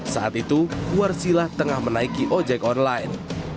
saat itu warsilah tengah menaiki ojek online